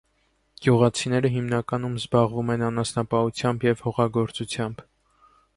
Գյուղացիները հիմնականում զբաղվում են անասնապահությամբ և հողագործությամբ։